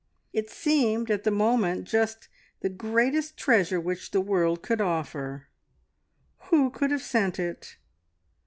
It seemed at the moment just the greatest treasure which the world could offer. Who could have sent it?